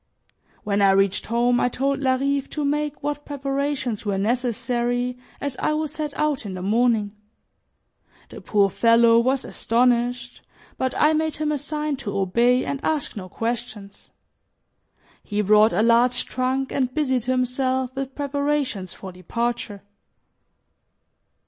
When I reached home, I told Larive to make what preparations were necessary as I would set out in the morning. The poor fellow was astonished, but I made him a sign to obey and ask no questions. He brought a large trunk and busied himself with preparations for departure.